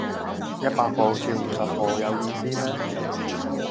一百步笑五十步有意思咩